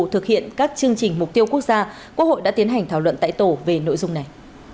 thực hiện các chương trình mục tiêu quốc gia quốc hội đã tiến hành thảo luận tại tổ về nội dung này